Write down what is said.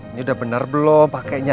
ini udah benar belum pakainya